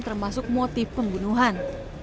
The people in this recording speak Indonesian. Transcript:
termasuk motif pembunuhan